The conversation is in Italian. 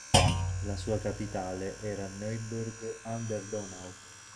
La sua capitale era Neuburg an der Donau.